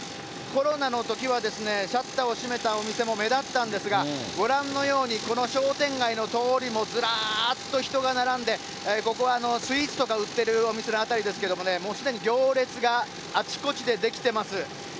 コロナのときは、シャッターを閉めたお店も目立ったんですが、ご覧のように、この商店街の通りもずらっと人が並んで、ここはスイーツとか売ってるお店の辺りですけどもね、もうすでに行列があちこちで出来てます。